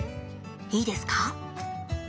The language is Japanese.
いいですか？